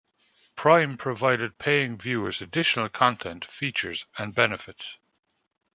Prime provided paying viewers additional content, features, and benefits.